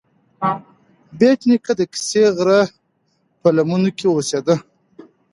بېټ نیکه د کسي غره په لمنو کې اوسیده.